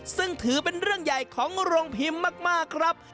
ซึ่งถือเป็นเรื่องใหญ่ของโรงพิมพ์มากครับ